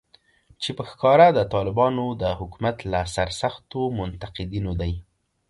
چې په ښکاره د طالبانو د حکومت له سرسختو منتقدینو دی